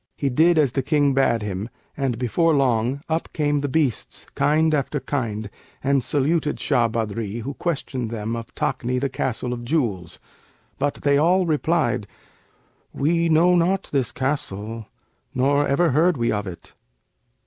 He did as the King bade him, and before long, up came the beasts, kind after kind, and saluted Shah Badri who questioned them of Takni, the Castle of Jewels, but they all replied, 'We know not this castle, nor ever heard we of it.'